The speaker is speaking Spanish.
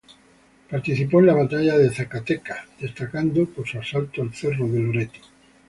Participó en la Batalla de Zacatecas, destacando por su asalto al cerro de Loreto.